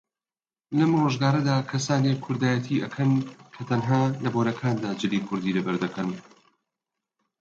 لەم ڕۆژگارەدا کەسانێک کوردایەتی ئەکەن کە تەنها لە بۆنەکاندا جلی کوردی لەبەردەکەن